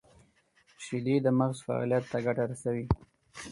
• شیدې د مغز فعالیت ته ګټه رسوي.